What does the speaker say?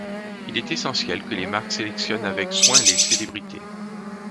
Il est essentiel que les marques sélectionnent avec soin les célébrités.